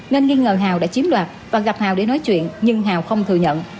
nên nghi ngờ hào đã chiếm đoạt và gặp hào để nói chuyện nhưng hào không thừa nhận